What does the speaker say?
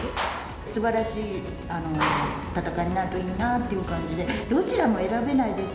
すばらしい戦いになるといいなという感じで、どちらも選べないです。